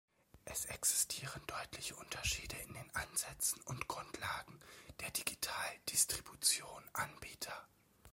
Es existieren deutliche Unterschiede in den Ansätzen und Grundlagen der Digital-Distribution-Anbieter.